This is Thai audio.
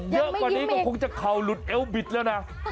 เยอะกว่านี้ก็คงจะเข่าหลุดเอวบิดแล้วนะ